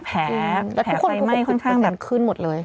แผลไหม้ข้างขึ้นหมดเลย